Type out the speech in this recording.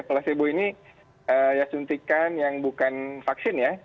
placebo ini ya suntikan yang bukan vaksin ya